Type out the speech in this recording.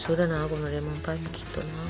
このレモンパイきっとな。